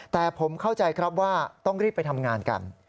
แต่ผมเข้าใจครับว่าต้องรีบไปทำงานกัน